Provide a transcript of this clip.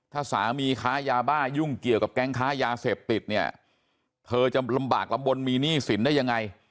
ถ้าสามีค้ายาบ้ายุ่งเกี่ยวกับแก๊งค้ายาเสพติดเนี่ยเธอจะลำบากลำบลมีหนี้สินได้ยังไง